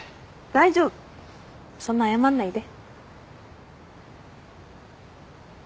大丈夫そんな謝んないで。